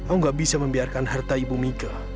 aku gak bisa membiarkan harta ibu mika